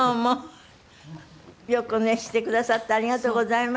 よくしてくださってありがとうございました。